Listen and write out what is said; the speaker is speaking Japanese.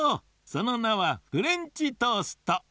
そのなはフレンチトースト！